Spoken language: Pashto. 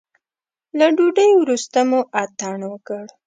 له ډوډۍ وروسته مو اتڼ وکړ.